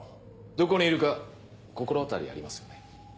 どこにいるか心当たりありますよね？